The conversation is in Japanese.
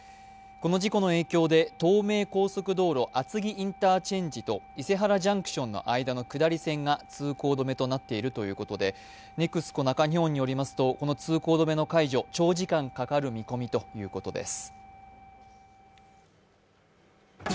この事故の影響で東名高速道路厚木インターチェンジと伊勢原ジャンクションの間の下り線が通行止めとなっているということで、ＮＥＸＣＯ中日本によりますと、この通行止めの解除、長時間かかる見込みということです。